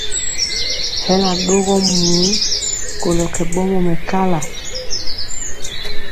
Hɛ na ɗogɔ muu kolɔ kɛ ɓɔmɔ mɛkala.